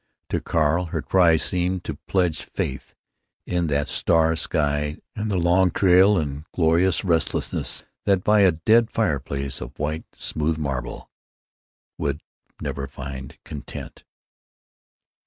To Carl her cry seemed to pledge faith in the starred sky and the long trail and a glorious restlessness that by a dead fireplace of white, smooth marble would never find content.